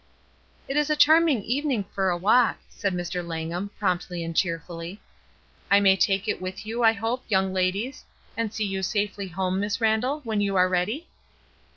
''It is a charming evening for a walk," said Mr. Langham, promptly and cheerfully. "I may take it with you, I hope, young ladies, and see you safely home, Miss Randall, when you are ready?"